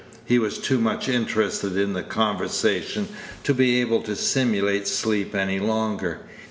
He was too much interested in the conversation to be able to simulate sleep any longer.